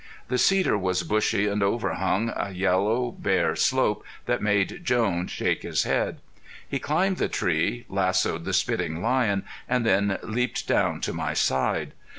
The cedar was bushy and overhung a yellow, bare slope that made Jones shake his head. He climbed the tree, lassoed the spitting lion and then leaped down to my side.